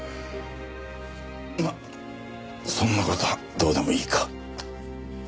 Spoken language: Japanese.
まっそんな事はどうでもいいか。